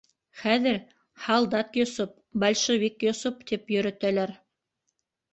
Хәҙер һалдат Йосоп, большевик Йосоп, тип йөрөтәләр.